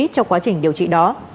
cho quá trình điều trị đó